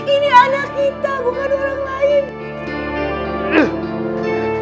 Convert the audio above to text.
ini anak kita bukan orang lain